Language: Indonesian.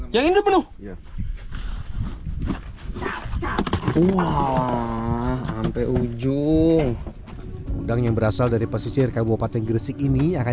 uang sampai ujung udang yang berasal dari pesisir kabupaten gresik ini akan